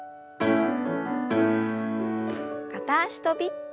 片脚跳び。